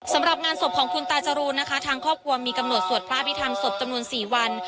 สำหรับงานศพของคุณตาจรูนนะคะทางครอบครัวมีกำหนดสวดพระพิธรรมศพจำนวน๔วัน